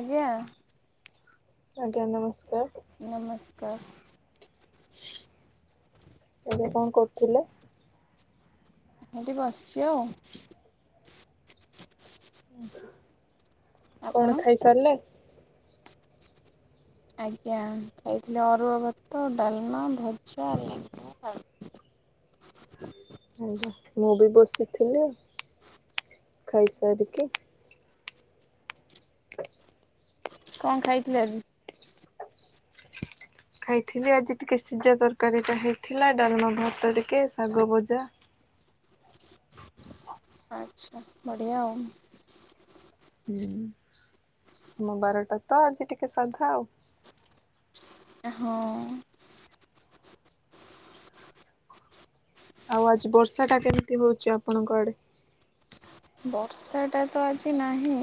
ଆଜ୍ଞା। ଆଜ୍ଞା ନମସ୍କାର। ନମସ୍କାର। ଏବେ କଣ କରୁଥିଲେ? ଏଠି ବସଚି ଆଉ। କଣ ଆପଣ? ଖାଇ ସାରିଲେ? ଆଜ୍ଞା ଖାଇଥିଲେ ଅରୁଆ ଭାତ ଡାଲମା, ଭଜା, ଲେମ୍ବୁ ଆଉ ଆଜ୍ଞା ମୁଁ ବି ବସିଥିଲି। ଖାଇସାରିକି କଣ ଖାଇଥିଲେ ଆଜି? ଖାଇଥିଲି ଆଜି ଟିକେ ସିଝା ତରକାରୀଟା ହେଇଥିଲା ଡାଲମା ଭାତ ଟିକେ ଶାଗ ଭଜା। ଆଚ୍ଛା ବଢ଼ିଆ ଆଉ। ହୁଁ ସୋମବାରଟା ତ ଆଜି ଟିକେ ସାଧା ଆଉ। ହଁ ଆଉ ଆଜି ବର୍ଷା ଟା କେମିତି ହଉଚି ଆପଣଙ୍କ ଆଡେ? ବର୍ଷାଟା ତ ଆଜି ନାହିଁ।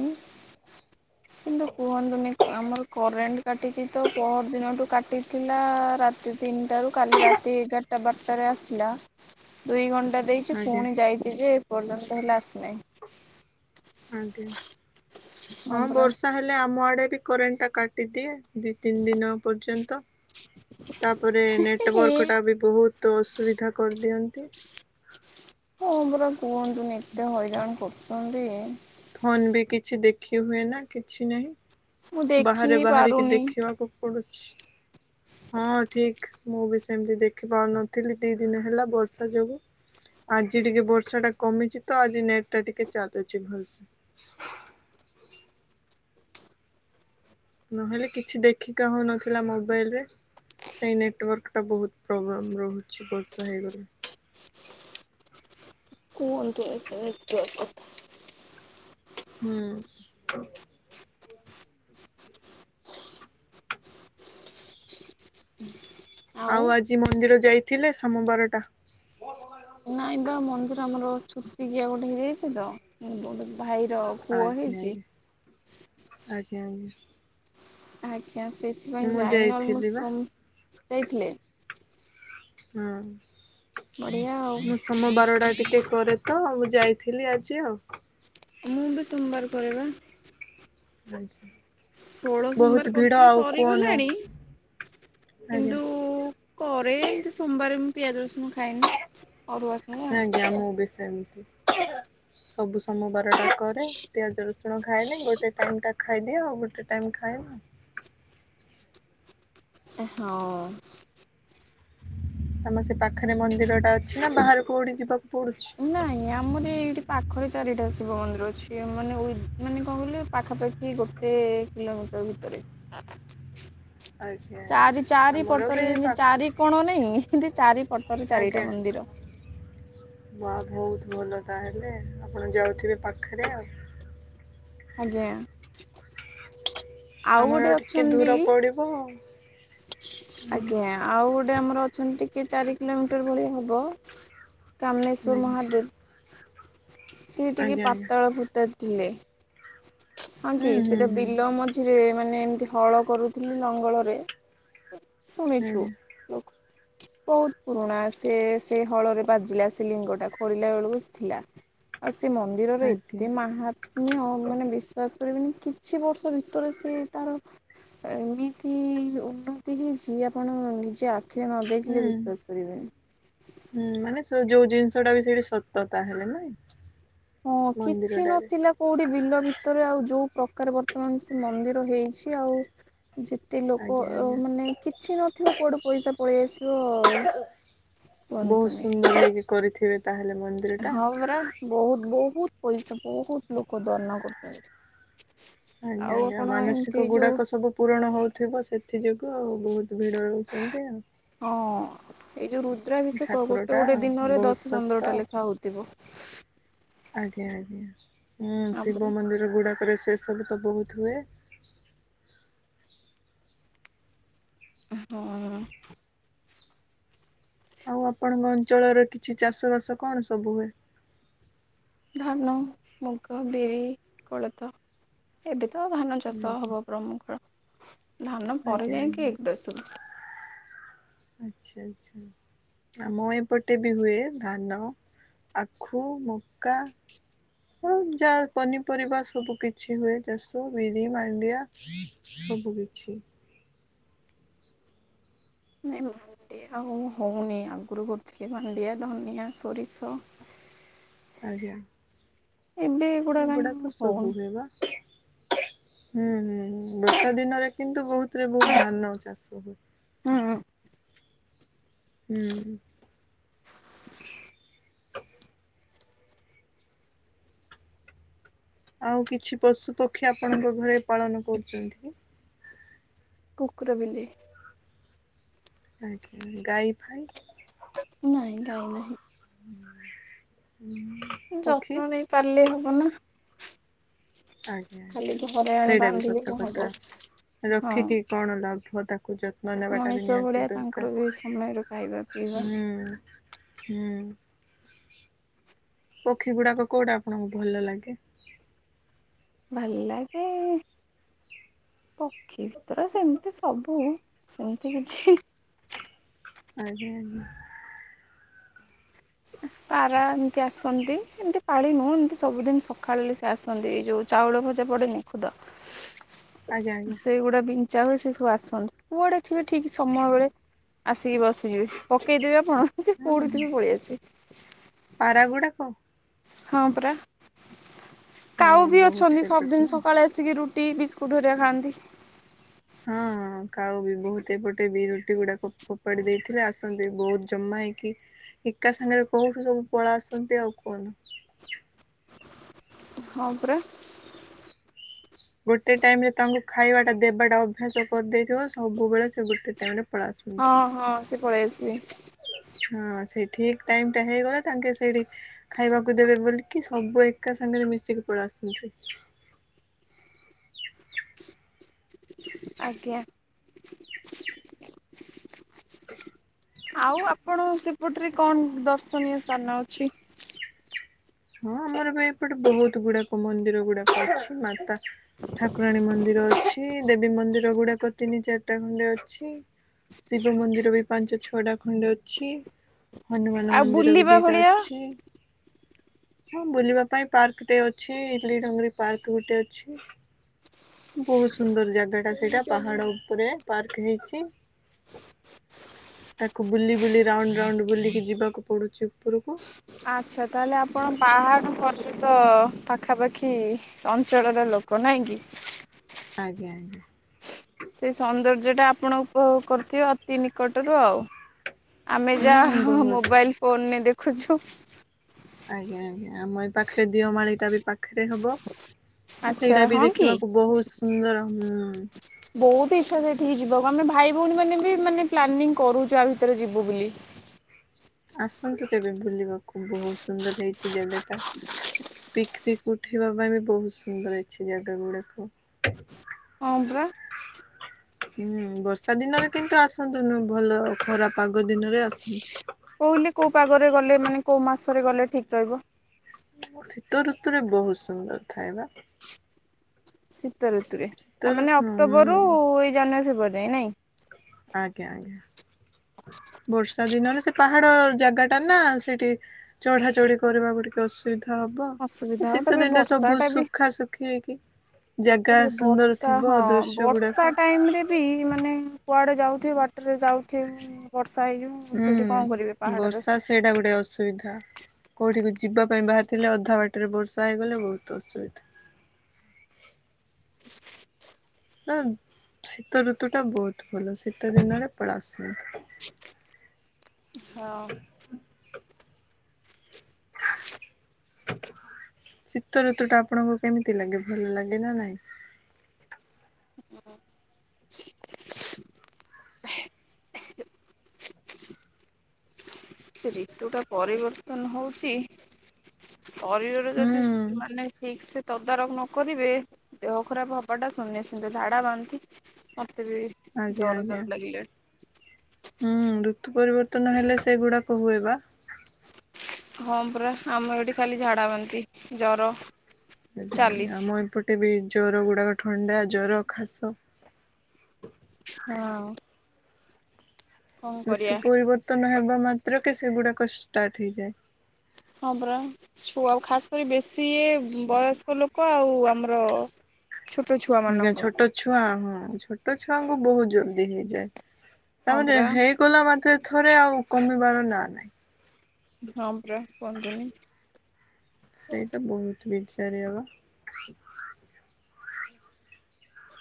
କିନ୍ତୁ କୁହନ୍ତୁନି ଆମର କରେଣ୍ଟ କାଟିଛି ତ ପହର ଦିନଠୁ କାଟିଥିଲା ରା ତି ତିନିଟ ରୁ କାଲି ରାତି ଏଗାରଟା ବାରଟାରେ ଆସିଲା। ଦୁଇ ଘଣ୍ଟା ଦେଇଛି ଆଜ୍ଞା ପୁଣି ଯାଇଛି ଯେ ଏ ପର୍ଯ୍ୟନ୍ତ ହେଲା ଆସିନାହିଁ। ଆଜ୍ଞା ହଁ ବର୍ଷା ହେଲେ ଆମ ଆଡ଼େ ବି କରେଣ୍ଟଟା କାଟିଦିଏ। ଦି ତିନି ଦିନ ପର୍ଯ୍ୟନ୍ତ। ତାପରେ ନେଟୱାର୍କଟା ବି ବହୁତ ଅସୁବିଧା କରିଦିଅନ୍ତି। ହଁ ପରା କୁହନ୍ତୁନି ଏତେ ହଇରାଣ କରୁଚନ୍ତି। ଫୋନ୍ ବି କିଛି ଦେଖି ହୁଏ ନା କିଛି ନାହିଁ। ମୁଁ ଦେଖି ବାହାରେ ହିଁ ବାହାରିକି ପାରୁନି ଦେଖିବାକୁ ପଡୁଛି। ହଁ ଠିକ ମୁଁ ବି ସେମିତି ଦେଖି ପାରୁନଥିଲି ଦି ଦିନ ହେଲା ବର୍ଷା ଯୋଗୁ। ଆଜି ଟିକେ ବର୍ଷା ଟା କମିଚି ତ ଆଜି ନେଟ ଟା ଟିକେ ଚାଲୁଛି ଭଲସେ। ନହେଲେ କିଛି ଦେଖିକା ହଉନଥିଲା ମୋବାଇଲ ରେ। ସେଇ ନେଟୱାର୍କ ଟା ବହୁତ ପ୍ରୋବ୍ଲେମ ରହୁଛି ବର୍ଷା ହେଇଗଲେ। କୁହନ୍ତୁ [unintelligible] ହୁଁ ଆଉ ଆଜି ମନ୍ଦିର ଯାଇଥିଲେ ସୋମବାରଟା? ନାଇଁ ବା ମନ୍ଦିର ଆମର ଛୁତିିକିଆ ଗୋଟେ ହେଇଯାଇଛି ତ [inaudible] ପୁଅ ଆଜ୍ଞା ଆଜ୍ଞା ହେଇଛି ଆଜ୍ଞା ଆଜ୍ଞା। ଆଜ୍ଞା ସେଥିପାଇଁ ମୁଁ ଯାଇନି ନହେଲେ ମୁଁ ଯାଇଥିଲି ବା ସୋମ ଯାଇଥିଲେ। ହୁଁ ବଢିଆ ଆଉ ମୁଁ ସୋମ ବାରଟା ଟିକେ କରେ ତ ମୁଁ ଯାଇଥିଲି ଆଜି ଆଉ। ମୁଁ ବି ସୋମବାର କରେବା। ଆଜ୍ଞା। ଷୋଳ ସୋମବାର କରୁଥିଲି ସରିଗଲାଣି, ଆଜ୍ଞା କିନ୍ତୁ କରେ ଏମତି ସୋମବାରେ ମୁଁ ପିଆଜ ରସୁଣ ଖାଏନି। ଅରୁଆ ଖାଏ ଆଉ ଆଜ୍ଞା, ମୁଁ ବି ସେମିତି ସବୁ ସୋମ ବାରେ [unintelligible] କରେ ପିଆଜ ରସୁଣ ଖାଏନି, ଗୋଟେ ଟାଇମ ଟା ଖାଇଦିଏ ଆଉ ଗୋଟେ ଟାଇମ୍ ଖାଏନି। ଏ ହଁ। ତମ ସେ ପାଖରେ ମନ୍ଦିର ଟା ଅଛି ନା ବାହାରେ କୋଉଠି ଯିବାକୁ ପଡୁଛି? ଏ ଆମର ଏଇଠି ପାଖରେ ଚାରିଟା ଶିବ ମନ୍ଦିର ଅଛି ମାନେ ଉଇ ମାନେ କଣ କହିଲେ ପାଖାପା ଖି ଗୋଟେ କିଲୋମିଟର ଭିତରେ। ଆ ଚାରି ଚାରି ପଟରେ ଯେମତି ପାଖରେ ଚାରି କୋଣ ନାଇଁ ସିନ୍ଦି ଚାରିପଟରେ ଆଜ୍ଞା। ଚାରିଟା ମନ୍ଦିର। ବା ବହୁତ ଭଲ ତାହେଲେ ଆପଣ ଯାଉଥିବେ ପାଖରେ ଆଉ। ଆଜ୍ଞା। ଆମର ଗୋଟେ ଆଉ ଟିକେ ଅଛନ୍ତି ଦୂର ପଡ଼ିବ ଆଉ। ଆଜ୍ଞା, ଆଉ ଗୋଟେ ଆମର ଅଛନ୍ତି ଟିକେ ଚାରି କିଲୋମିଟର ଭଳିଆ ହବ। ଆଜ୍ଞା କାମଲେଶ୍ୱର ମହାଦେବ୍। ସିଏ ଟିକେ ଆଜ୍ଞା ଆଜ୍ଞା। ପାତଳ ଫୁତରେ ଥିଲେ, ହଁ ହୁଁ କି ହୁଁ ସେଟା ହୁଁ। ବିଲ ମଝି ରେ ମାନେ ଏମିତି ହଳ କରୁଥିଲି ଲଙ୍ଗଳରେ ଶୁଣିଛୁ। ଆଜ୍ଞା ବହୁତ୍ ପୁରୁଣା ସେ ସେ ହଳରେ ବାଜିଲା ସେ ଲିଙ୍ଗଟା ଖୋଳିଲା ବେଳକୁ ଥିଲା। ଆଉ ସେ ମନ୍ଦିରର ଆଜ୍ଞା ଏତେ ମାହା ନିଅ ମାନେ ବିଶ୍ଵାସ କରିବେନି କିଛି ବର୍ଷ ଭିତରେ ସେ ତାର ଏମିତି ଉ ନ୍ନତି ହେଇଛି ଆପଣ ନିଜେ ଆଖିରେ ନ ଦେଖିଲେ ହୁଁ ବିଶ୍ଵାସ କରିବେନି। ହୁଁ, ମାନେ ସେ ଯୋଉ ଜିନିଷ ଟା ବି ସେଇଠି ସତ ତା ହେଲେ ନାଇଁ? ହଁ, କିଛି ମନ୍ଦିରଟାରେ ନଥିଲା କୋଉଠି ବିଲ ଭିତରେ ଆଉ ଯୋଉ ପ୍ରକାର ବର୍ତ୍ତମାନ ସେ ମନ୍ଦିର ହେଇଛି ଆଉ ଯେ ତେ ଲୋକ ଆଜ୍ଞା ଉ ଆଜ୍ଞା ମାନେ କିଛି ନଥିବ କୁଆଡୁ ପଇସା ପଳେଇ ଆସିବ। ବହୁତ୍ କୁହନ୍ତୁନି। ସୁନ୍ଦର [unintelligible] କରିଥିବେ ତାହେଲେ ମ ହଁ ପରା ବହୁତ୍ ବହୁତ୍ ପଇସା ବହୁତ୍ ଲୋକ ଦ୍ୱାନ କରୁଛନ୍ତି। ଆଜ୍ଞା ଆଉ ଆଜ୍ଞା, ଆପଣ ଏମିତି ମାନସିକ ଯୋଉ ଗୁଡାକ ସବୁ ପୂରଣ ହଉଥିବ, ସେଥି ଯୋଗୁଁ ଆଉ ବହୁତ ଭିଡ଼ ରହୁଛନ୍ତି ଆଉ। ହଁ, ଏଇ ଯୋଉ ରୁଦ୍ରାଭିଷେକ ଠାକୁର ଗୋଟେ ଟା ଗୋଟେ ଦିନରେ ବହୁତ ଦଶ ସତ ପନ୍ଦରଟା ଲେଖା ହଉଥିବ। ଆଜ୍ଞା ଆଜ୍ଞା, ଶିବ ତାପରେ ମନ୍ଦିର ଗୁଡ଼ାକରେ ସେ ସବୁ ତ ବହୁତ୍ ହୁଏ। ହଁ। ଆଉ ଆପଣଙ୍କ ଅଞ୍ଚଳରେ କି ଛି ଚାଷ ବାସ କଣ ସବୁ ହୁଏ? ଧାନ, ମୁଗ, ବିରି, କୋଳଥ। ଏବେ ତ ଧାନ ଚାଷ ହବ। ପ୍ରମୁଖ, ଧାନ ପରେ ଆଜ୍ଞା ଆଜ୍ଞା ଯାଇକି ଏଗୁରା ସବୁ। ଆଚ୍ଛା ଆଚ୍ଛା। ଆମ ଏପଟେ ବି ହୁଏ ଧାନ, ଆଖୁ, ମକା ହଉ ଯା ପନିପରିବା ସବୁ କିଛି ହୁଏ ଚାଷ ବିରି ମାଣ୍ଡିଆ ସବୁ କିିଛି। ନାଇଁ ମାଣ୍ଡିଆ ଆଉ ହଉନି ଆଗୁରୁ କରୁଥିଲି ମାଣ୍ଡିଆ ଧନିଆ ସୋରିଷ ଆଜ୍ଞା। ଏବେ। ଏଗୁଡା କାଇଁ ଏଗୁଡାକ ଆଉ ସବୁ ହଉନି ହୁଏ ବା। ହୁଁ ହୁଁ ବର୍ଷା ଦିନରେ କିନ୍ତୁ ବହୁତରେ ବହୁତ ଧାନ ଚାଷ ହୁଏ। ହଁ। ହୁଁ। ଆଉ କିଛି ପଶୁ ପକ୍ଷୀ ଆପଣଙ୍କ ଘରେ ପାଳନ କରୁଛନ୍ତି। କୁକୁର ବିଲେଇ। ଆଜ୍ଞା ଗାଈଫାଇ? ନାଇଁ ଗାଈ ନାହିଁ। ହ ହୁଁ ଯତ୍ନ ନେଇ ପାରିଲେ ହବ ନା। ଆଜ୍ଞା ଖାଲି ଆଜ୍ଞା ଘରେ ଆଣି ସେଇଟା ବି ବାନ୍ଧିଲେ ସତ କଣ ହବ କଥା ହଁ ରଖିକି କଣ ଲାଭ ତା ଯତ୍ନ ନେବାଟା ବି ମଣିଷ ନିହାତି ଭଳିଆ ତାଙ୍କର ବି ଦରକାର ସମୟର ଖାଇବା ପିଇବା ହୁଁ। ହୁଁ। ପକ୍ଷୀ ଗୁଡାକ କୋଉଟା ଆପଣଙ୍କୁ ଭଲ ଲାଗେ? ଭଲ ଲାଗେ ପକ୍ଷୀ ଭିତର ସେମିତି ସବୁ ସେମିତି କିଛି ଆଜ୍ଞା ଆଜ୍ଞା। ପାରା ଏମିତି ଆସ ଆସନ୍ତି ଏମିତି ପାଳି ନୁହଁ ଏମିତି ସବୁଦିନ ସକାଳ ସେ ଆସନ୍ତି ଯୋଉ ଚାଉଳ ଭଜା ପଡେନି ଖୁଦ। [inaudible] ଆଜ୍ଞା ଆଜ୍ଞା ଆଜ୍ଞା ସେଗୁଡା ବିଞ୍ଚା ହୁଏ ସେ ସବୁ ଆସନ୍ତି କୁଆଡେ ଥିବେ ଠିକ୍ ସମୟ ବେଳେ ଆସିକି ବସିଯିବି ପକେଇଦବି ଆପଣ ସେ କୋଉଠିଥିବେ ପଳେଇ ଆସିବେ। ପାରାଗୁଡାକ। ହଁ ପରା କାଉ ହଁ ବି ବହୁତ ଅଛନ୍ତି ସେପଟେ ସବଦିନ ନା ସକାଳେ ଆସିକି ରୁଟି କୁଟୁହରିଆ ଖାଆନ୍ତି। ହଁଁ ଖାଉ ବି ବହୁତ ଏପଟେ ବି ରୁଟି ଗୁଡାକ ଫୋପାଡ଼ି ଦେଇଥିଲେ ଆସନ୍ତି ବହୁତ ଜମା ହେଇକି। ଏକା ସାଙ୍ଗରେ କୋଉଠୁ ସବୁ ପଳେଇ ଆସନ୍ତି ଆଉ କୁହନି। ହଁ ପୁରା। [inaudible] ଗୋଟେ ଟାଇମ୍ ରେ ତାଙ୍କୁ ଖାଇବା ଟା ଦେବାଟା ଅଭ୍ୟାସ କରିଦେଇଥିବ ସବୁବେଳେ ସେ ଗୋଟେ ଟାଇମ୍ ରେ ପଳା ହଁ ଆସନ୍ତି। ହଁ ସେ ପଳେଇ ଆସିବେ। ହଁ ସେଇ ଠିକ୍ ଟାଇମ୍ ଟା ହେଇଗଲା ତାଙ୍କେ ସେଇଠି ଖାଇବାକୁ ଦେବେ ବୋଲିକି ସବୁ ଏକା ସାଙ୍ଗରେ ମିଶିକି ପଳେଇ ଆସନ୍ତି। ଆଜ୍ଞା। ଆଉ ଆପଣ ସେପଟରେ କଣ ଦର୍ଶନୀୟ ସ୍ଥାନ ଅଛି? ହଁ ଆମର ପାଇଁ ଏପଟେ ବହୁତ ଗୁଡାକ ମନ୍ଦିର ଗୁଡାକ ଅଛି ମାତା ଠାକୁରାଣୀ ମନ୍ଦିର ଅଛି ଦେବୀ ମନ୍ଦିର ଗୁଡାକ ତିନି ଚାରିଟା ଖଣ୍ଡେ ଅଛି। ଶିବ ମନ୍ଦିର ବି ପାଞ୍ଚ ଛଅଟା ଖଣ୍ଡେ ଅଛି। ହନୁମାନ ଆଉ ମନ୍ଦିର ବି ବୁଲିବା ଦିଟା ଭଳିଆ ଅଛି। ହଁ ବୁଲିବା ପାଇଁ ପାର୍କ ଟେ ଅଛି। ଇଲି ଡଙ୍ଗରି ପାର୍କ ଗୋଟେ ଅଛି। ବହୁତ୍ ସୁନ୍ଦର ଜାଗା ଟା ସେଇଟା ପାହାଡ ଉପରେ ପାର୍କ ହେଇଚି। ତାକୁ ବୁଲି ବୁଲି ରାଉଣ୍ଡ ରାଉଣ୍ଡ ବୁଲିକି ଯିବାକୁ ପଡ଼ୁଛି ଉପରକୁ। ଆଚ୍ଛା ତାହେଲେ ଆପଣ ପାହାଡ଼ ପର୍ବତ ପାଖାପାଖି ଅଞ୍ଚଳର ଲୋକ ନାଇଁ କି ଆଜ୍ଞା ଆଜ୍ଞା ସେଇ ସୌନ୍ଦର୍ଯ୍ୟ ଟା ଆପଣ ଉପଭୋଗ କରୁଥିବେ ଅତି ନିକଟରୁ ଆଉ ଆମେ ହୁଁ ଯାହା ବହୁତ ମୋବାଇଲ ଫୋନ ରେ ଦେଖୁଛୁ। ଆଜ୍ଞା ଆଜ୍ଞା ଆମ ଏ ପାଖରେ ଦିଅମାଳି ଟା ବି ପାଖ୍। ଏ ହବ ଆଚ୍ଛା ସେଇଟା ବି ହଁ କି? ଦେଖିବାକୁ ବହୁତ୍ ସୁନ୍ଦର ହୁଁ। ବହୁତ ଇଚ୍ଛା ସେଇଠିକି ଯିବାକୁ ଆମେ ଭାଇ ଭଉଣୀ ମାନେ ବି ମାନେ ପ୍ଲାନିଂ କରୁଛୁ ଆ ଭିତରେ ଯିବୁ ବୁଲି। ଆସନ୍ତୁ ତେବେ ବୁଲିବାକୁ ବହୁତ୍ ସୁନ୍ଦର ହେଇଚି ଜାଗାଟା। ପିକ୍ ପିକ ଉଠେଇବା ପାଇଁ ବି ବହୁତ୍ ସୁନ୍ଦର ହେଇଚି ଜାଗା ଗୁଡ଼ାକ। ହଁ ପରା। ଝଙ୍କ୍ହହଙ୍କ୍। [inaudible] ହୁଁ ବର୍ଷା ଦିନରେ କିନ୍ତୁ ଆସନ୍ତୁନୁ ଭଲ ଖରା ପାଗ ଦିନରେ ଆସନ୍ତୁ। କୋଉଲେ କୋଉ ପାଗରେ ଗଲେ ମାନେ କୋଉ ମାସରେ ଗଲେ ଠିକ୍ ରହିବ। ଶୀତ ଋତୁରେ ବହୁତ୍ ସୁନ୍ଦର ଥାଏ ବା। ଶୀତ ଋତୁରେ ଶୀତ ତା ମାନେ ଋତୁ ହୁଁ। ଅକ୍ଟୋବରରୁ ଏଇ ଜାନୁୟାରୀ ଫେବୃୟାରୀ ନାଇଁ। ଆଜ୍ଞା, ଆଜ୍ଞା ବର୍ଷା ଦିନରେ ସେ ପାହାଡ ଜାଗାଟା ନା ସେଇଟି। ଚଢା ଚଢି କରିବାକୁ ଟିକେ ଅସୁବିଧା ହବ ଏ ଅସୁବିଧା ହବ ଶୀତ ତାପରେ ଦିନରେ ବର୍ଷା ସବୁ ଟା ବି ସୁଖା ସୁକ୍। କି ହେଇକି ଜାଗା ତାପରେ ସୁନ୍ଦର ଥିବ ଦୃଶ୍ୟ ଗୁଡାକ। ପି-ମାନେ କୁଆଡ଼େ ଯାଉଥିବେ ବାଟରେ ଯାଉଥିବେ ବର୍ଷା ହେଇଯିବ। ଉଁ ହୁଁ ସେଠି କଣ କରିବେ ପାହାଡରେ। ବର୍ଷା ସେଇଟା ଗୋଟେ ଅସୁବିଧା। କୋଉଠିକୁ ଯିବା ପାଇଁ ବାହାରିଥିଲେ ଅଧା ବାଟରେ ବର୍ଷା ହୋଇଗଲେ ବହୁତ୍ ଅସୁବିଧା। ନା ଶୀତଋତୁଟା ବହୁତ୍ ଭଲ ଶୀତ ଦିନରେ ପଳାଇ ଆସନ୍ତୁ। ହଁଓ। ଶୀତ ଋତୁଟା ଆପଣଙ୍କୁ କେମିତି ଲାଗେ ଭଲ ଲାଗେ ନା ନାହିଁ। ଋତୁ ଟା ପରିବର୍ତ୍ତନ ହୋଉଚି। ଶରୀରରେ ଯଦି ହୁଁ ସ୍ ମାନେ ଠିକ୍ ସେ। ତଦାରକ୍ ନ କରିବେ ଦେହ ଖରାପ ହବାଟା ଶୁନିଶ୍ଣିତ୍ ଝାଡ଼ା ବାନ୍ନ୍ତି ମତେ ବି। ଆଜ୍ଞା, ଜର ଜର ଆଜ୍ଞା। ଲାଗିଲାଣି ହୁଁ ଋତୁ ପରିବର୍ତ୍ତନ ହେଲେ ସେଗୁଡାକ ହୁଏ ବା। ହଁ ପରା ଆମର ଏଠି ଖାଲି ଝାଡା ବାନ୍ତି ଜର। ଆଜ୍ଞା, ଆଜ୍ଞା ଚାଲିଛି ଆମ ଏପଟେ ବି ଜ୍ୱର ଗୁଡ଼ାକ ଥଣ୍ଡା ଜର ଖାସ। ହଁ ଆଉ। ଋତୁ ପରିବର୍ତ୍ତନ ହେବା ମାତ୍ରକେ ସେଗୁଡାକ ଷ୍ଟାର୍ଟ ହେଇଯାଏ। ହଁ ପରା। ଛୁଆ ଆଉ ଖାସ୍ କରି ବେଶୀ ଏ ବୟସ୍କ ଲୋକ ଆଉ ଆମର। ଛୋଟ ଛୁଆ। ଆଜ୍ଞା- ମାନଙ୍କ ଛୋଟ ଛୁଆ ହଁ ଛୋଟ ଛୁଆଙ୍କୁ ବହୁତ ଜଲ୍ଦି ହେଇଯାଏ ହଁ ତାମାନେ ପରା। ହେଦ୍। କଲା ମାତ୍ରେ ଥରେ ଆଉ କମିବାର ନା ନାଇଁ କୋ। ହଁ ପରା କୁହନ୍ତୁନି। ସେଇଟା ବହୁତ୍ ବିଜାରିଆ ବା।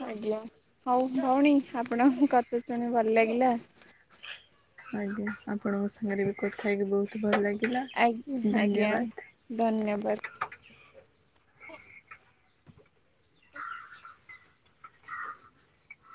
ଆଜ୍ଞା- ହଉ ଭଉଣୀ ଆପଣଙ୍କ କଥା ଶୁଣି ଭଲ ଲାଗିଲା। ଆଜ୍ଞା- ଆପଣଙ୍କ ସାଙ୍ଗରେ ବି କଥା ହେଇକି ବହୁତ୍ ଭଲ ଲାଗିଲା ଧନ୍ୟବାଦ୍। ଧନ୍ୟବାଦ୍।